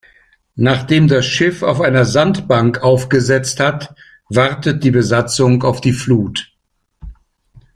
Nachdem das Schiff auf einer Sandbank aufgesetzt hat, wartet die Besatzung auf die Flut.